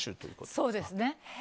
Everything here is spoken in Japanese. そうですね。